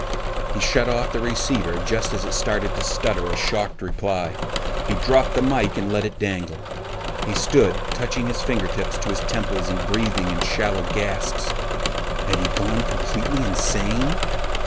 He shut off the receiver just as it started to stutter a shocked reply. He dropped the mike and let it dangle. He stood touching his fingertips to his temples and breathing in shallow gasps. Had he gone completely insane?